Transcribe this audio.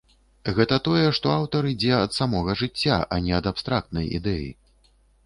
Гэта тое, што аўтар ідзе ад самога жыцця, а не ад абстрактнай ідэі.